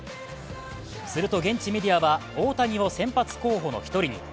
すると現地メディアが大谷を先発候補の１人に。